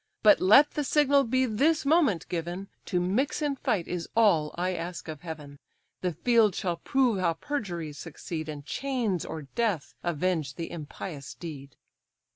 But let the signal be this moment given; To mix in fight is all I ask of Heaven. The field shall prove how perjuries succeed, And chains or death avenge the impious deed."